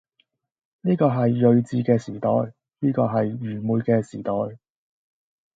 呢個係睿智嘅時代，呢個係愚昧嘅時代，